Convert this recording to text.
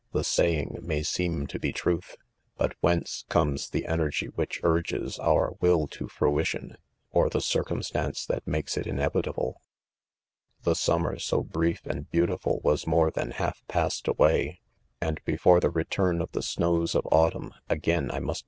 the saying may seem to be truth f hat whence comes the energy which urges our will to fruition 5 ox the circumstance that makes it inevitable % 4 The summer so brief and beautiful was iii©re than half passed away; and before the latum of the snows of autumn, again I must